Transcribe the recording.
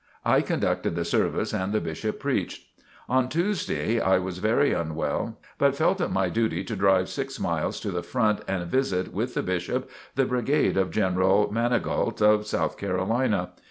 I conducted the service and the Bishop preached. On Tuesday I was very unwell but felt it my duty to drive six miles to the front and visit, with the Bishop, the Brigade of General Manigault, of South Carolina.